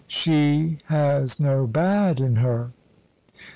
"She has no bad in her."